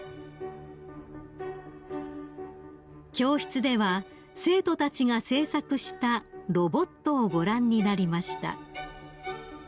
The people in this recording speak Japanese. ［教室では生徒たちが製作したロボットをご覧になりました］